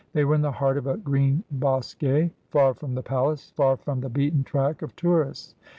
They were in the heart of a green hosquet, far from the palace, far from the beaten track of tourists.